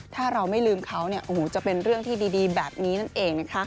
ถ้าเราไม่ลืมเขาจะเป็นเรื่องที่ดีแบบนี้นั่นเองนะคะ